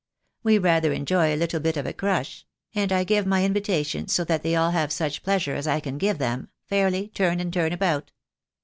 We rather enjoy a little bit of a crush — and I give my invitations so that they all have such pleasure as I can give them, fairly, turn and turn about.